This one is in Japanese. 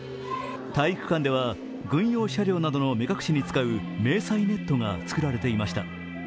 体育館では軍用車両などの目隠しに使う迷彩ネットが作られていました。